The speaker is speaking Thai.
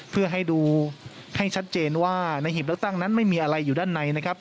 เพื่อให้ดูให้ชัดเจนว่าในหีบเลือกตั้งนั้นไม่มีอะไรอยู่ด้านในนะครับ